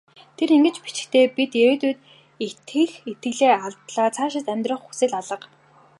Тэр ингэж бичжээ: "Би ирээдүйд итгэх итгэлээ алдлаа. Цаашид амьдрах хүсэл алга".